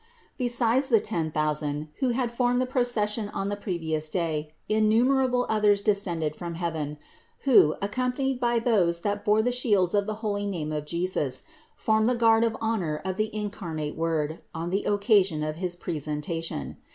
Besides the ten thousand, who had formed the procession on the previous day, in numerable others descended from heaven, who, accom panied by those that bore the shields of the holy name of Jesus, formed the guard of honor of the incarnate Word on the occasion of his presentation.